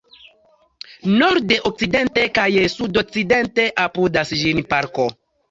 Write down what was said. Norde, okcidente kaj sudokcidente apudas ĝin parko.